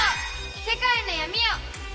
世界の闇を。